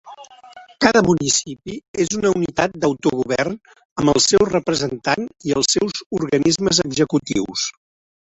Cada municipi és una unitat d"auto-govern amb el seu representant i els seus organismes executius.